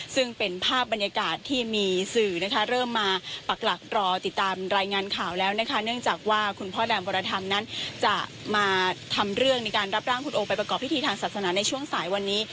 ซึ่งเป็นภาพบรรยากาศที่มีสื่อนะคะเริ่มมาปักหลักรอติดตามรายงานข่าวแล้วนะคะเนื่องจากว่าคุณพ่อแรมวรธรรมนั้นจะมาทำเรื่องในการรับร่างคุณโอไปประกอบพิธีทางศาสนาในช่วงสายวันนี้